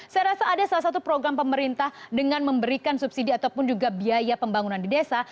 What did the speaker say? saya rasa ada salah satu program pemerintah dengan memberikan subsidi ataupun juga biaya pembangunan di desa